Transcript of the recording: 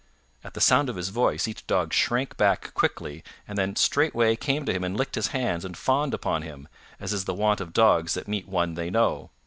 At the sound of his voice each dog shrank back quickly and then straightway came to him and licked his hands and fawned upon him, as is the wont of dogs that meet one they know.